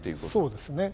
そうですね。